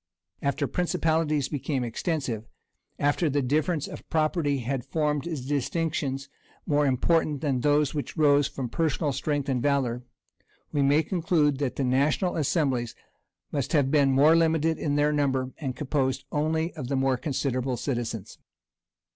After principalities became extensive, after the difference of property had formed distinctions more important than those which arose from personal strength and valor, we may conclude that the national assemblies must have been more limited in their number, and composed only of the more considerable citizens.